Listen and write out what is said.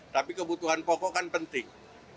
tapi kebutuhan pokok kan penting